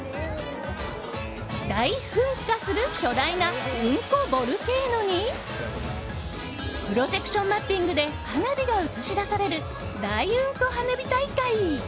大フン火する巨大なウンコ・ボルケーノにプロジェクションマッピングで花火が映し出される大うんこ花火大会。